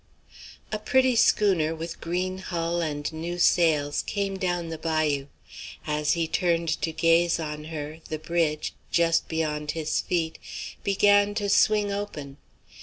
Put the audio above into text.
A pretty schooner, with green hull and new sails, came down the bayou. As he turned to gaze on her, the bridge, just beyond his feet, began to swing open.